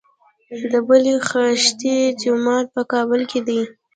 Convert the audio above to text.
د پل خشتي جومات په کابل کې دی